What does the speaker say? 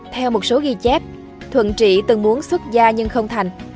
theo một số ghi chép thuận trị từng muốn xuất ra nhưng không thành